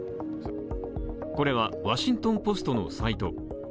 これは「ワシントン・ポスト」のサイト。